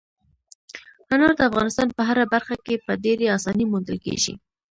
انار د افغانستان په هره برخه کې په ډېرې اسانۍ موندل کېږي.